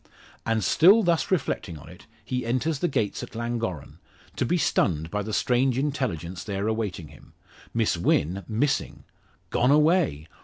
And still thus reflecting on it, he enters the gates at Llangorren, to be stunned by the strange intelligence there awaiting him Miss Wynn missing! gone away!